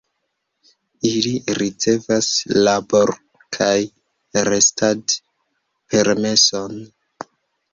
Ili ricevas labor- kaj restad-permeson.